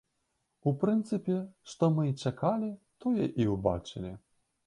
У прынцыпе, што мы і чакалі, тое і ўбачылі.